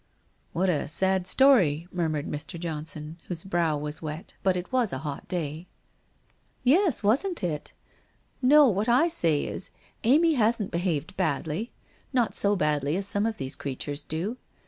* What a sad story !' murmured Mr. Johnson, whose brow was wet — but it was a hot day. ' Yes, wasn't it ? No, what I say is, Amy hasn't be haved badly; not so badly as some of these creatures do.